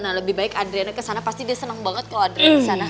nah lebih baik adriana kesana pasti dia seneng banget kalo adriana kesana